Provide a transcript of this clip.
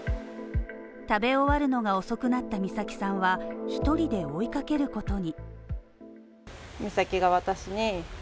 食べ終わるのが遅くなった美咲さんは１人で追い掛けることに。